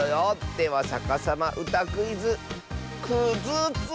では「さかさまうたクイズ」くづつ。